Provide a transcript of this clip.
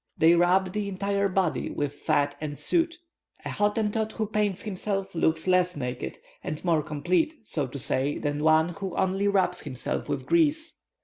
They rub the entire body with fat and soot. A Hottentot who paints himself looks less naked, and more complete, so to say, than one who only rubs himself with grease.